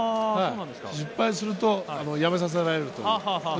失敗すると辞めさせられるということです。